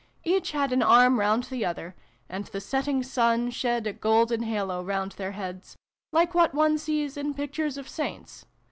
Each had an arm round the other, and the setting sun shed a golden halo round their heads, like what one sees in pictures of saints.